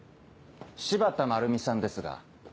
柴田まるみさんですが。